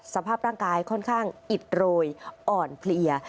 สภาพร่างกายค่อนข้างอิดโรยอ่อนเพลีย